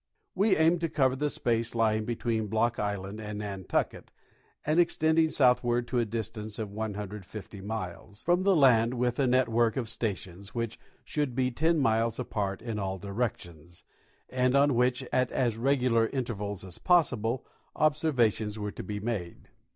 We aimed to cover the space lying between Block island and Nantucket, and extending southward to a distance of 150 miles from the land, with a network of stations which should be 10 miles apart in all directions, and on which, at as regular inter vals as possible, observations were to be made.